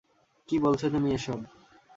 কী বলছ তুমি এসব?